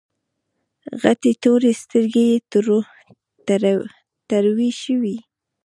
غټې تورې سترګې يې تروې شوې.